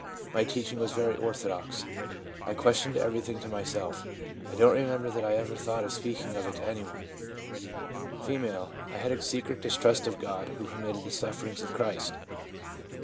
My teach ing was very orthodox; I questioned everything to myself; I don't remember that I ever thought of speak ing of it to anyone/ F. ' I had a secret distrust of God who permitted the sufferings of Christ.'